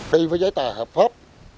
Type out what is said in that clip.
đi với giấy tài hợp pháp